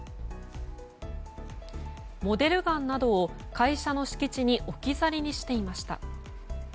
モデルガンなどを会社の敷地に置き去りにしていました。